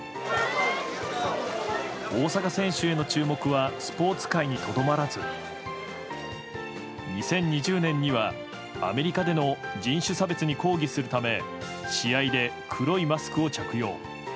大坂選手への注目はスポーツ界にとどまらず２０２０年にはアメリカでの人種差別に抗議するため試合で黒いマスクを着用。